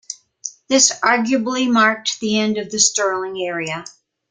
This arguably marked the end of the Sterling Area.